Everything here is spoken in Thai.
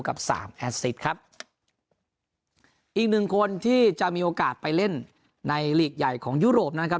กับสามแอสซิตครับอีกหนึ่งคนที่จะมีโอกาสไปเล่นในหลีกใหญ่ของยุโรปนะครับ